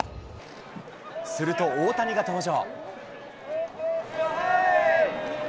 すると大谷が登場。